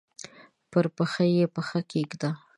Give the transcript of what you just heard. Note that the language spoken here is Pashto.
پر پښه یې پښه کښېږده!